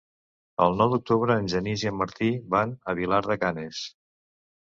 El nou d'octubre en Genís i en Martí van a Vilar de Canes.